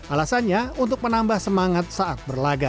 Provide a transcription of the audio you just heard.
alasannya untuk menambah semangat saat berlaga